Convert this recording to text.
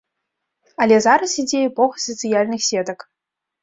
Але зараз ідзе эпоха сацыяльных сетак.